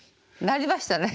なりましたね。